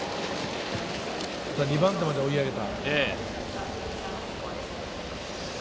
２番手まで追い上げた。